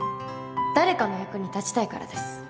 誰かの役に立ちたいからです。